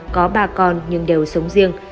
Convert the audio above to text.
có ba con nhưng đều sống riêng